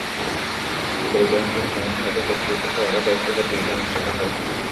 বিকেলে যেমন খুশি তেমন সাজো প্রতিযোগিতাসহ আরও কয়েকটি প্রতিযোগিতা অনুষ্ঠিত হয়।